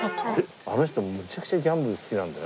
あの人むちゃくちゃギャンブル好きなんだよ。